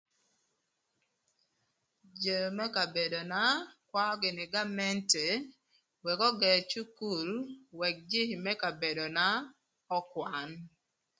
Jö më kabedona kwaö gïnï gamente wëk ögër cukul wëk jïï më kabedona ökwan.